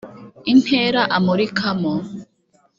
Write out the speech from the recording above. Intera amurikamo